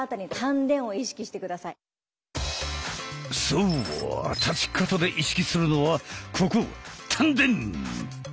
そう立ち方で意識するのはここ丹田！